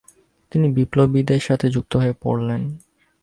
তিনি বিপ্লবীদের সাথে যুক্ত হয়ে পড়লেন।